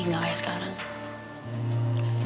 gak kayak sekarang